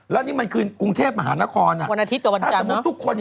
แล้วนี้มันคือกรุงเทพมหานครหัววันอาทิตย์แต่วันจันทร์เนอะ